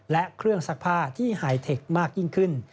และเครื่องซักผ้าที่ไฮเทคมากยิ่งขึ้น